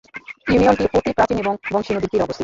ইউনিয়নটি অতি প্রাচীন এবং বংশী নদীর তীরে অবস্থিত।